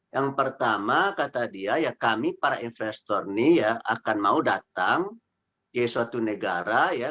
yang pertama kata dia kami para investor ini akan mau datang ke suatu negara